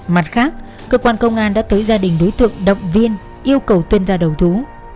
mặt khác cơ quan công an đã tới gia đình đối tượng động viên yêu cầu tuyên ra đầu thú